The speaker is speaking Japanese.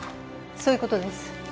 そういうことです。